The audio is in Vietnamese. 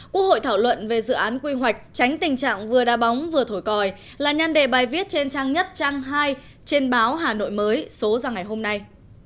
quốc hội thảo luận về dự án quy hoạch tránh tình trạng vừa đa bóng vừa thổi còi là nhan đề bài viết trên trang nhất trang hai trên báo hà nội mới số ra ngày hôm nay